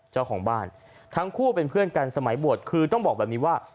เจ้าของบ้านทั้งคู่เป็นเพื่อนกันสมัยบวชคือต้องบอกแบบนี้ว่า